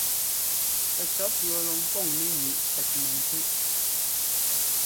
Pɛcʉ̈ɔ́ pʉ̈ɔ lɔ ŋkoŋ nɛ́ ŋíʼ tsɛt mɛ́ntúʼ.